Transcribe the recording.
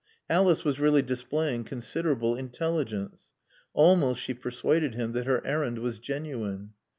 Alice was really displaying considerable intelligence. Almost she persuaded him that her errand was genuine.